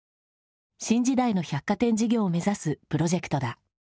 新時代の百貨店事業を目指すプロジェクトだ。